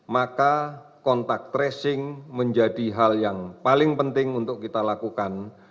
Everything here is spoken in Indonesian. maka kontak tracing menjadi hal yang paling penting untuk kita lakukan